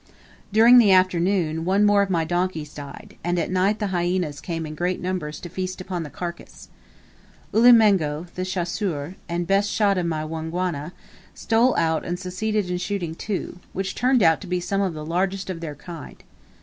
During the afternoon one more of my donkeys died, and at night the hyaenas came in great numbers to feast upon the carcase. Ulimengo, the chasseur, and best shot of my Wangwana, stole out and succeeded in shooting two, which turned out to be some of the largest of their kind..